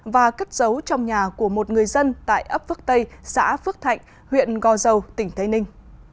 và cất giấu trong nhà của một người dân tại ấp phước tây xã phước thạnh huyện gò dầu tỉnh tây ninh